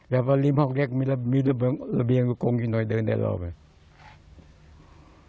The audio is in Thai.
แล้วลูกนอนห้องเล็กมีระเบียงกลุ่มกลงอีกหน่อยเดินตานแถวนี้